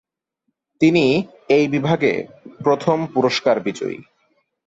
তিনি এই বিভাগে প্রথম পুরস্কার বিজয়ী।